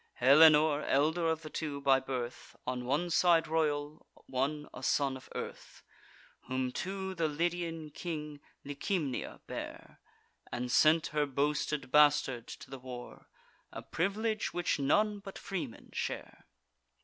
Helenor, elder of the two: by birth, On one side royal, one a son of earth, Whom to the Lydian king Licymnia bare, And sent her boasted bastard to the war (A privilege which none but freemen share).